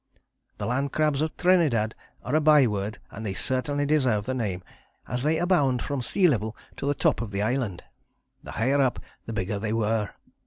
The land crabs of Trinidad are a byword and they certainly deserve the name, as they abound from sea level to the top of the island. The higher up the bigger they were.